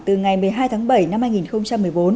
từ ngày một mươi hai tháng bảy năm hai nghìn một mươi bốn